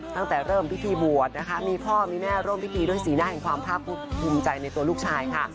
ตั้งแต่เริ่มพิธีบวชนะคะมีพ่อมีแม่ร่วมพิธีด้วยสีหน้าแห่งความภาคภูมิใจในตัวลูกชายค่ะ